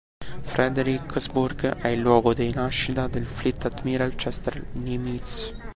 Fredericksburg è il luogo di nascita del Fleet Admiral Chester Nimitz.